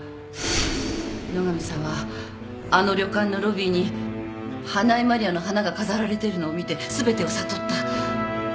野上さんはあの旅館のロビーに華衣麻里亜の花が飾られてるのを見て全てを悟った。